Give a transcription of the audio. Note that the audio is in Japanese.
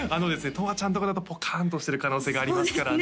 とわちゃんとかだとポカーンとしてる可能性がありますからね